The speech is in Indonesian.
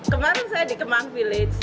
kemarin saya di kemang village